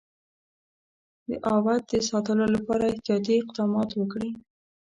د اَوَد د ساتلو لپاره احتیاطي اقدامات وکړي.